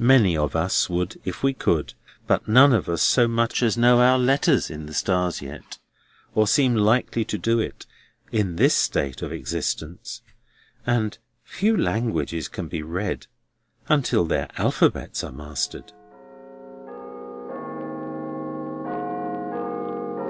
Many of us would, if we could; but none of us so much as know our letters in the stars yet—or seem likely to do it, in this state of existence—and few languages can be read until their alphabets are mastered.